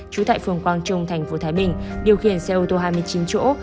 trú tại phường quang trung tp thái bình điều khiển xe ô tô hai mươi chín chỗ